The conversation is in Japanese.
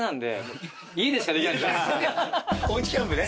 おうちキャンプね。